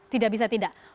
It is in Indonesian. tidak bisa tidak